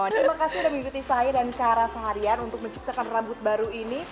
terima kasih sudah mengikuti saya dan cara seharian untuk menciptakan rambut baru ini